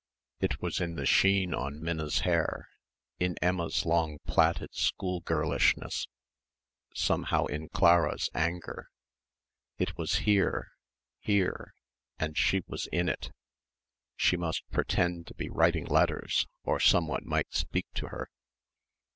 It was in the sheen on Minna's hair, in Emma's long plaited schoolgirlishness, somehow in Clara's anger. It was here, here, and she was in it.... She must pretend to be writing letters or someone might speak to her.